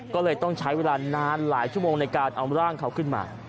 ก็เลยต้องใช้เวลานานหลายชั่วโมงในการเอาร่างเขาขึ้นมา